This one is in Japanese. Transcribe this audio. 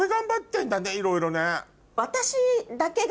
いろいろね。